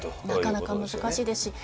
なかなか難しいです。